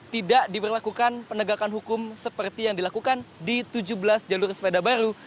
tidak diberlakukan penegakan hukum seperti yang dilakukan di tujuh belas jalur sepeda baru